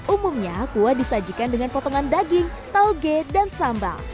umumnya kuah disajikan dengan potongan daging tauge dan sambal